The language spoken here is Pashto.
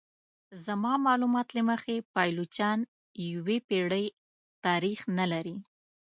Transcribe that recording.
زما معلومات له مخې پایلوچان یوې پیړۍ تاریخ نه لري.